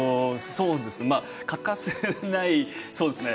欠かせないそうですね。